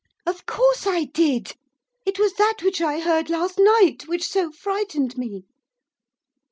'Of course I did. It was that which I heard last night, which so frightened me.